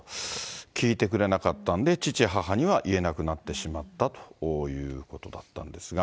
聞いてくれなかったんで、父、母には言えなくなってしまったということなんですが。